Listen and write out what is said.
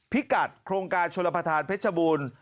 พิกัดโครงการชนประธานเพชรบูรณ์